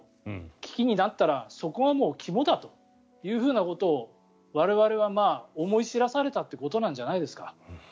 危機になったらそこが肝だということを我々は思い知らされたということなんじゃないですか。